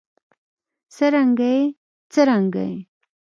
سرانګې ئې ، څرانګې ئې